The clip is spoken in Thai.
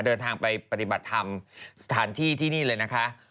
เดินทางไปปฏิบัติธรรมสถานที่ที่นี่เลยนะคะ